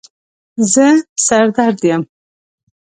زه سر درد یم